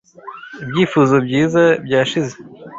Ibyifuzo Byiza Byashize;